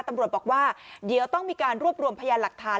ตำรวจบอกว่าเดี๋ยวต้องมีการรวบรวมพยานหลักฐาน